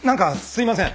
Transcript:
すいません。